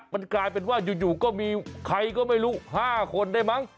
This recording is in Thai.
มันกลายเป็นว่าอยู่ก็มีใครก็ไม่รู้๕คนได้มั้ง